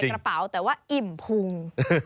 กระเป๋าแต่ว่าอิ่มพุง